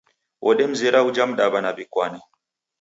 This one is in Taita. Odemzera uja mdaw'ana w'ikwane